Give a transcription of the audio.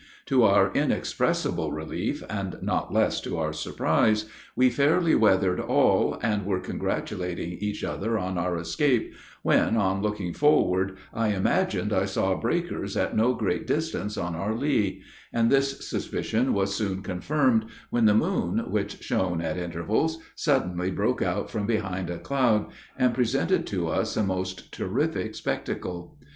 To our inexpressible relief, and not less to our surprise, we fairly weathered all, and were congratulating each other on our escape, when, on looking forward, I imagined I saw breakers at no great distance on our lee; and this suspicion was soon confirmed, when the moon, which shone at intervals, suddenly broke out from behind a cloud, and presented to us a most terrific spectacle.